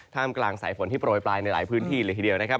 กลางสายฝนที่โปรยปลายในหลายพื้นที่เลยทีเดียวนะครับ